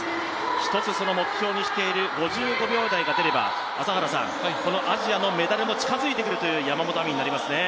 一つ、その目標にしている５５秒台が出ればこのアジアのメダルも近づいてくるという山本亜美になりますね。